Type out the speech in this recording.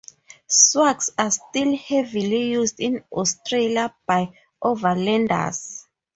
Swags are still heavily used in Australia, by overlanders.